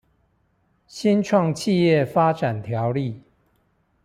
新創企業發展條例